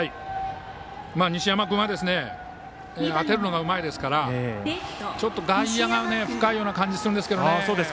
西山君は当てるのがうまいですからちょっと外野が深いような感じがするんですけどね。